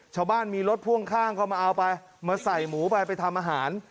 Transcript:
ชาวบ้านมีรถพ่วงข้างก็มาเอาไปมาใส่หมูไปไปทำอาหาร